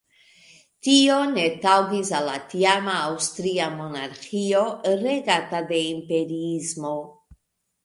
Tio ne taŭgis al la tiama Aŭstria monarĥio, regata de imperiismo.